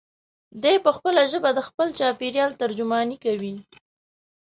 دی په خپله ژبه د خپل چاپېریال ترجماني کوي.